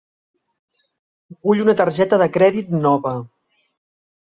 Vull una targeta de crèdit nova.